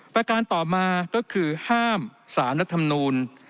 ประการต่อมาก็คือห้ามสารรัฐมนูล